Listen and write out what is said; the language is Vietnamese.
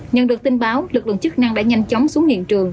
nhận được tin báo lực lượng chức năng đã nhanh chóng xuống hiện trường